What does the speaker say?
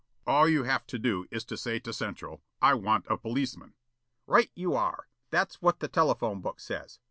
"All you have to do is to say to Central: 'I want a policeman.'" "Right you are. That's what the telephone book says.